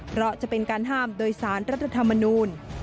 เพราะจะเป็นการห้ามโดยสารรัฐธรรมนูล